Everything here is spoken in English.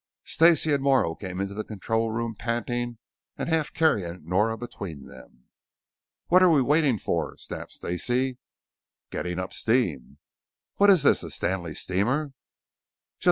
Stacey and Morrow came into the control room, panting, and half carrying Nora between them. "What are we waiting for?" snapped Stacey. "Getting up steam." "What is this, a Stanley Steamer?"